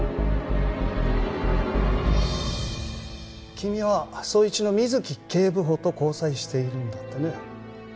君は捜一の水樹警部補と交際しているんだってね。